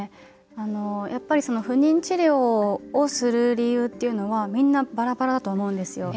やっぱり不妊治療をする理由っていうのはみんなバラバラだと思うんですよ。